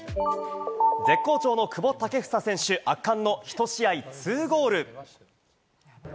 絶好調の久保建英選手、圧巻の１試合２ゴール。